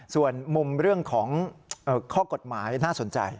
ส่วนมุมเรื่องของข้อกฎหมายน่าสนใจ